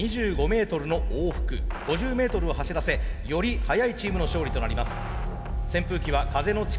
５０メートルを走らせより速いチームの勝利となります。